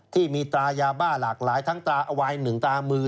ที่มีตรายาบ้าหลากหลายทั้งตาอวาย๑ตามือ